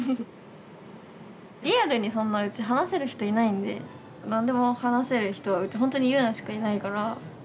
リアルにそんなうち話せる人いないんで何でも話せる人はうちほんとにゆうなしかいないから。